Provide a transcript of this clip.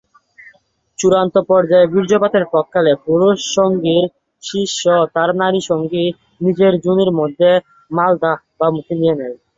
চূড়ান্ত পর্যায়ে, বীর্যপাতের প্রাক্কালে পুরুষ সঙ্গীর শিশ্ন তার নারী সঙ্গী নিজের যোনি মধ্যে, মলদ্বার, বা মুখে নিয়ে নেয়।